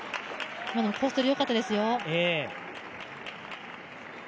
コース取りよかったですよ。